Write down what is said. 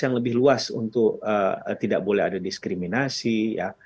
yang lebih luas untuk tidak boleh ada diskriminasi ya